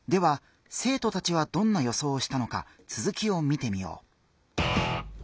生徒たちはどんな予想をしたのかつづきを見てみよう。